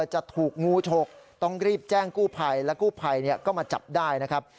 จะถูกงูฉกต้องรีบแจ้งกู้ภัยและกู้ภัยก็มาจับได้นะครับ